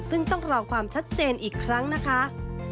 ซึ่งต้องรอความชัดเจนอีกครั้งนะคะ